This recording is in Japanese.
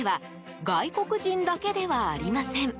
外国人だけではありません。